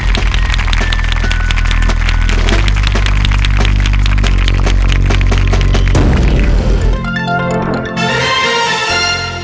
โปรดติดตามตอนต่อไป